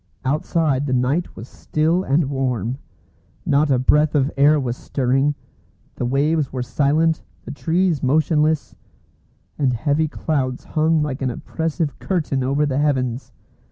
Outside the night was still and warm. Not a breath of air was stirring; the waves were silent, the trees motionless, and heavy clouds hung like an oppressive curtain over the heavens.